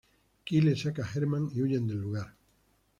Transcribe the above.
Kyle saca a Herman y huyen del lugar.